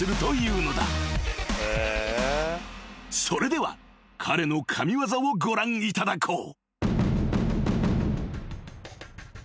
［それでは彼の神業をご覧いただこう］